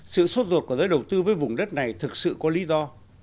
sự suốt ruột của giới đầu tư với vùng đất này thực sự có lý do